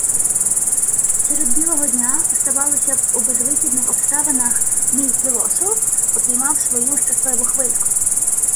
Серед білого дня, здавалося б, у безвихідних обставинах мій "філософ" упіймав свою щасливу хвильку.